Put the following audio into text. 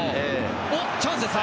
おっ、チャンスですね。